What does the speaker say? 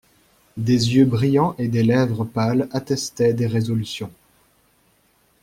Des yeux brillants et des lèvres pâles attestaient des résolutions.